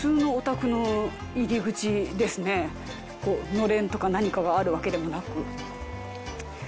のれんとか何かがあるわけでもなく。